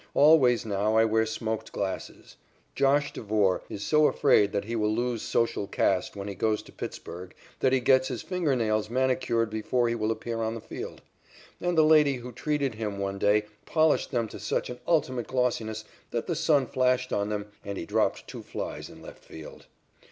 Always now I wear smoked glasses. "Josh" Devore is so afraid that he will lose social caste when he goes to Pittsburg that he gets his finger nails manicured before he will appear on the field. And the lady who treated him one day polished them to such an ultimate glossiness that the sun flashed on them, and he dropped two flies in left field.